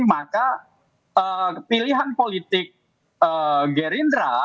maka pilihan politik gerindra